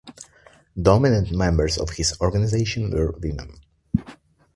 Dominant members of his organization were women.